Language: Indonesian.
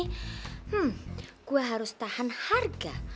hmm gue harus tahan harga